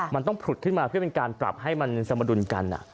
มันต้องผุดขึ้นมาเพื่อเป็นการปรับให้มันสมดุลกัน